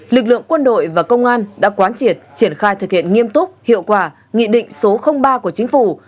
lực lượng quân đội và công an đã quán triệt triển khai thực hiện nghiêm túc hiệu quả nghị định số ba của chính phủ